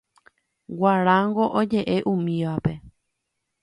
Guarango ojeʼe umívape.